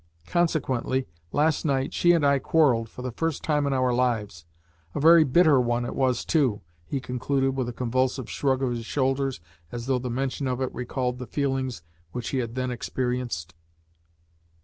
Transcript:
Consequently, last night she and I quarrelled for the first time in our lives. A very bitter one it was, too," he concluded, with a convulsive shrug of his shoulders, as though the mention of it recalled the feelings which he had then experienced.